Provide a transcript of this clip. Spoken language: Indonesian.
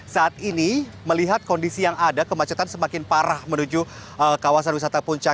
saat ini melihat kondisi yang ada kemacetan semakin parah menuju kawasan wisata puncak